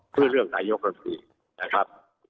เพื่อเลือกนายกครับปุ่มของเรา